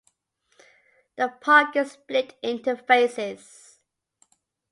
The park is split into "phases".